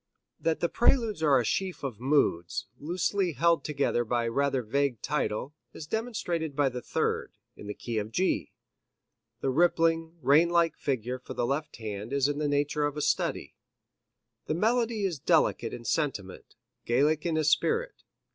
That the Preludes are a sheaf of moods, loosely held together by the rather vague title, is demonstrated by the third, in the key of G. The rippling, rain like figure for the left hand is in the nature of a study. The melody is delicate in sentiment, Gallic in its esprit.